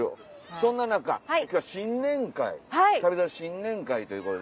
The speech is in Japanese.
そんな中今日は新年会『旅猿』の新年会ということで。